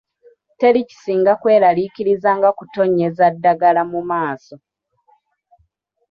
Teri kisinga kweralariikiriza nga kutonnyeza ddagala mu maaso.